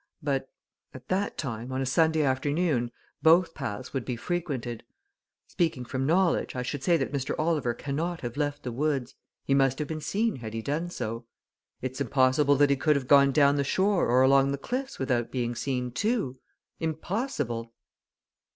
But at that time, on a Sunday afternoon, both paths would be frequented. Speaking from knowledge, I should say that Mr. Oliver cannot have left the woods he must have been seen had he done so. It's impossible that he could have gone down to the shore or along the cliffs without being seen, too impossible!"